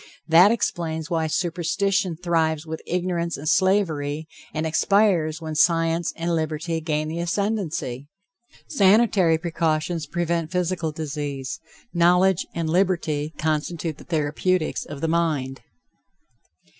That explains why superstition thrives with ignorance and slavery, and expires when science and liberty gain the ascendency. Sanitary precautions prevent physical disease; knowledge and liberty constitute the therapeutics of the mind.